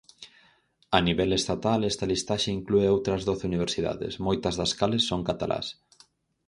A nivel estatal, esta listaxe inclúe outras doce universidades, moitas das cales son catalás.